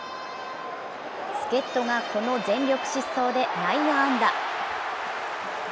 助っとがこの全力疾走で内野安打。